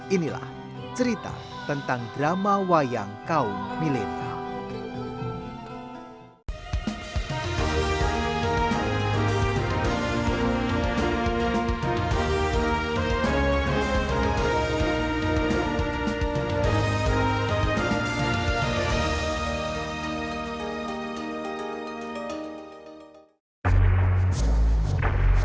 inilah cerita tentang drama wayang kaum milenial